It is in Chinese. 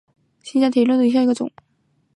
新疆铁角蕨为铁角蕨科铁角蕨属下的一个种。